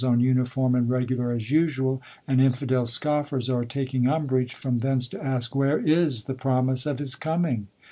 on uniform and regular as usual, and infidel scoffers.are' taking umbrage from thence to ask, *' Where is. th^' promise of his coming